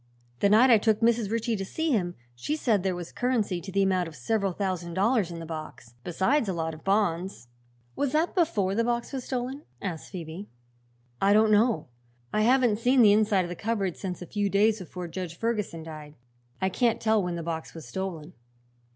The night I took Mrs. Ritchie to see him she said there was currency to the amount of several thousand dollars in the box, besides a lot of bonds." "Was that before the box was stolen?" asked Phoebe. "I don't know. I haven't seen the inside of the cupboard since a few days before Judge Ferguson died. I can't tell when the box was stolen."